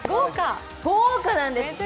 豪華なんです。